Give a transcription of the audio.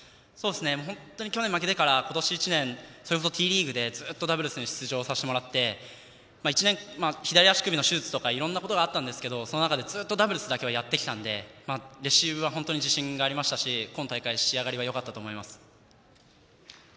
本当に去年負けてからそれこそＴリーグにずっとダブルスに出場させてもらって左足首の手術とかあったんですがダブルスだけはずっとやってきたのでレシーブは本当に自信がありましたし今大会、仕上がりはよかったと思います。